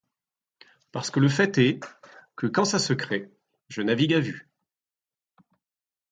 Parce que le fait est que, quand ça se crée… je navigue à vue.